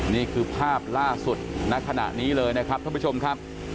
นี่คือภาพล่าสุดณขณะนี้เลยนะครับท่านผู้ชมครับ